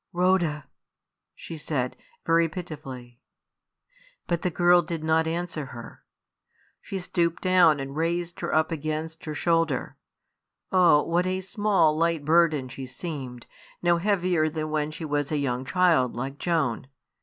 "Rhoda!" she said, very pitifully. But the girl did not answer her. She stooped down and raised her up against her shoulder. Oh! what a small, light burden she seemed, no heavier than when she was a young child like Joan.